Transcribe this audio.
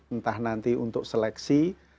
entah nanti untuk seleksi